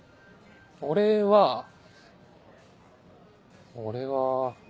俺は俺は。